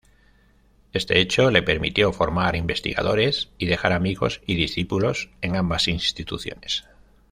Este hecho le permitió formar investigadores y dejar amigos y discípulos en ambas instituciones.